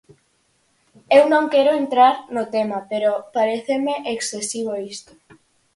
Eu non quero entrar no tema, pero paréceme excesivo isto.